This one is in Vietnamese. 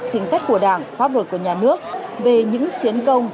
chính sách của đảng pháp luật của nhà nước về những chiến công